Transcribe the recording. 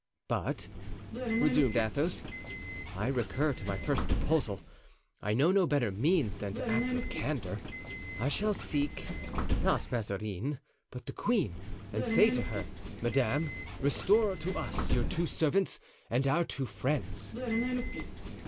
"But," resumed Athos, "I recur to my first proposal. I know no better means than to act with candor. I shall seek, not Mazarin, but the queen, and say to her, 'Madame, restore to us your two servants and our two friends.